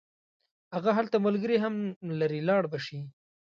هغه هلته ملګري هم لري لاړ به شي.